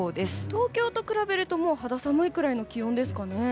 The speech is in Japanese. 東京と比べると肌寒いくらいの気温ですかね。